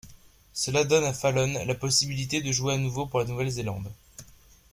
Cela donne à Fallon la possibilité de jouer à nouveau pour la Nouvelle-Zélande.